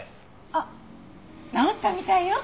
あっ直ったみたいよ！